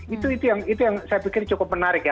itu yang saya pikir cukup menarik ya